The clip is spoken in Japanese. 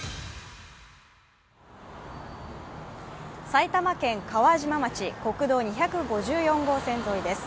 埼玉県川島町、国道２５４号線沿いです。